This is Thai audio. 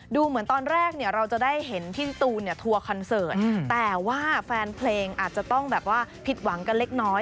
ดูเหมือนตอนแรกเนี่ยเราจะได้เห็นพี่ตูนเนี่ยทัวร์คอนเสิร์ตแต่ว่าแฟนเพลงอาจจะต้องแบบว่าผิดหวังกันเล็กน้อย